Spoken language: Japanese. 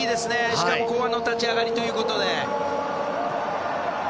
しかも後半の立ち上がりということで。